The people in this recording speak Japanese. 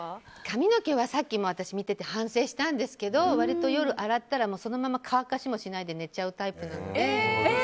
髪の毛はさっきも私見てて反省したんですけど割と夜洗ったらそのまま乾かしもしないで寝ちゃうタイプなので。